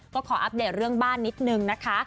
ก็ขออัปเดตเรื่องบ้านนิดนึงนะคะ